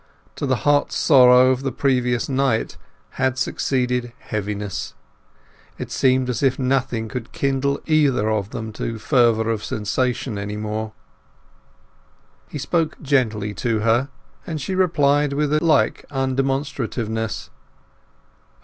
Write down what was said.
To the hot sorrow of the previous night had succeeded heaviness; it seemed as if nothing could kindle either of them to fervour of sensation any more. He spoke gently to her, and she replied with a like undemonstrativeness.